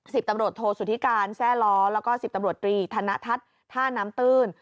ตำรวจโทษสุธิการแซ่ล้อแล้วก็สิบตำรวจตรีธนทัศน์ท่าน้ำตื้น